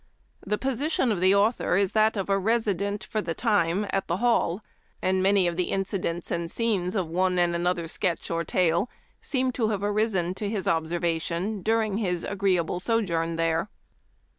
The position of the author is that of a resident, for the time, at the " Hall ;" and many of the incidents and scenes of one and another sketch or tale seem to have arisen to his observation during his agreeable sojourn there.